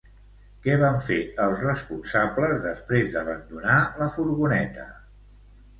Què van fer els responsables després d'abandonar la furgoneta?